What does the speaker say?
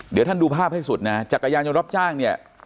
เดี๋ยวท่านดูภาพให้สุดนะจักรยานยนต์รับจ้างเนี่ย